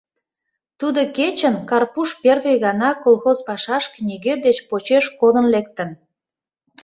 Тудо кечын Карпуш первый гана колхоз пашашке нигӧ деч почеш кодын лектын...